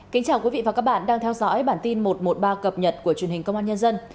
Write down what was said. kính chào quý vị và các bạn đang theo dõi bản tin một trăm một mươi ba cập nhật của truyền hình công an nhân dân